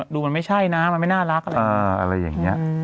ดูมันไม่ใช่นะมันไม่น่ารักอะไรอย่างนี้